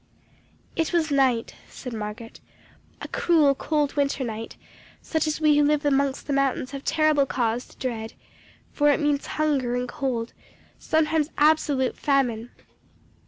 "It was night," said Margotte, "a cruel, cold winter night, such as we who live amongst the mountains have terrible cause to dread, for it means hunger and cold sometimes absolute famine.